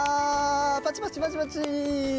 パチパチパチパチ！